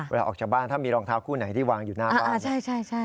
ออกจากบ้านถ้ามีรองเท้าคู่ไหนที่วางอยู่หน้าบ้านใช่ใช่